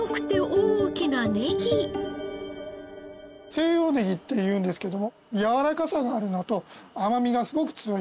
西洋ネギっていうんですけどもやわらかさがあるのと甘みがすごく強い。